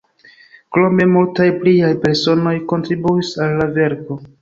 Krome multaj pliaj personoj kontribuis al la verko.